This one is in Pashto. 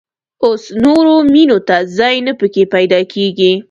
اوس نورو مېنو ته ځای نه په کې پيدا کېږي.